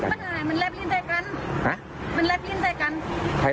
ถ้าหนูกินราวแล้วสักวันเหี้ย